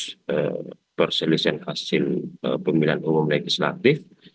nah itu adalah perselisihan hasil pemilihan umum legislatif